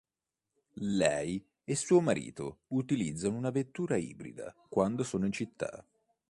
Lei e suo marito utilizzano una vettura ibrida, quando sono in città.